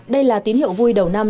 đây là tín hiệu vui đầu năm